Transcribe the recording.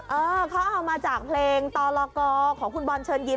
เออเขาเอามาจากเพลงตลกอของคุณบอลเชิญยิ้